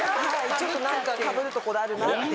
ちょっと何かかぶるところあるなって。